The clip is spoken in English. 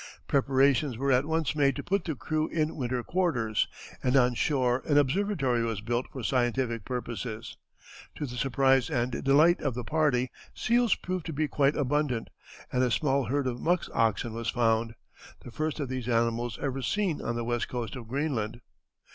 Preparations were at once made to put the crew in winter quarters, and on shore an observatory was built for scientific purposes. To the surprise and delight of the party, seals proved to be quite abundant, and a small herd of musk oxen was found, the first of these animals ever seen on the west coast of Greenland.